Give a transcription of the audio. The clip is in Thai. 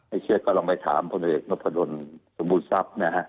ไอ้เชียวกำลังไปถามคนอื่นอีกนับพดนตรรพุทธทรัพย์